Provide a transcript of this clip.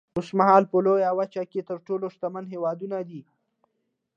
اوسمهال په لویه وچه کې تر ټولو شتمن هېوادونه دي.